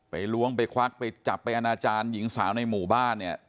ล้วงไปควักไปจับไปอนาจารย์หญิงสาวในหมู่บ้านเนี่ย